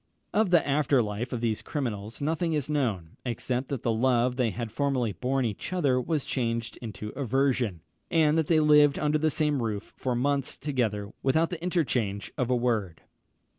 Of the after life of these criminals nothing is known, except that the love they had formerly borne each other was changed into aversion, and that they lived under the same roof for months together without the interchange of a word.